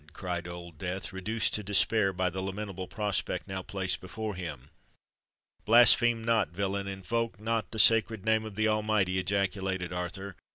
cried Old Death, reduced to despair by the lamentable prospect now placed before him. "Blaspheme not, villain!—invoke not the sacred name of the Almighty!" ejaculated Arthur.